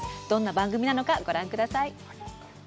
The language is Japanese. どんな番組なのかご覧ください。